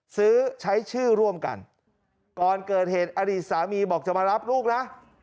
ซื้อใช้ชื่อร่วมกันก่อนเกิดเหตุอดีตสามีบอกจะมารับลูกนะ